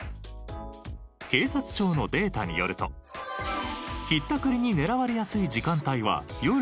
警察庁のデータによるとひったくりに狙われやすい時間帯は夜の帰宅。